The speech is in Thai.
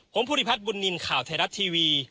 ผมพุทธิพัฒน์บุญนินข่าวไทยรัฐทีวี